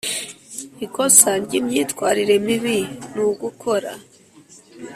Ikosa ry imyitwarire mibi ni ugukora